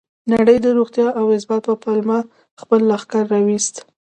نړۍ د روغتیا او ثبات په پلمه خپل لښکر راوست.